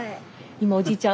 今おじいちゃん。